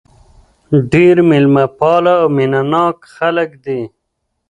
ډېر مېلمه پاله او مینه ناک خلک دي.